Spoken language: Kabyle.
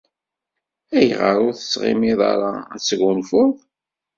Ayɣer ur tettɣimiḍ ad tesgunfuḍ?